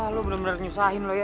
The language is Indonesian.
wah lo bener bener nyusahin lo ya